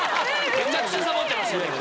めちゃくちゃサボってましたね